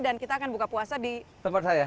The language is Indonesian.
dan kita akan buka puasa di tempat saya